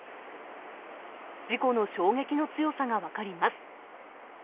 事故の衝撃の強さが分かります。